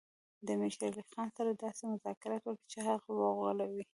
د امیر شېر علي خان سره داسې مذاکرات وکړي چې هغه وغولوي.